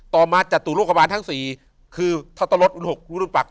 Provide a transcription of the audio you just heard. ต่อมาจัตรุโลกบาลทั้งสี่คือทัตตะลดรุ่นหกรุ่นปาก